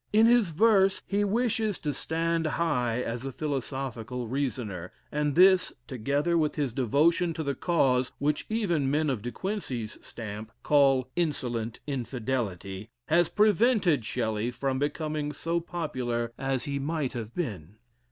In his verse he wishes to stand high as a philosophical reasoner, and this, together with his devotion to the cause, which even men of De Quincey's stamp call "Insolent Infidelity," has prevented Shelley from becoming so popular as he might have been.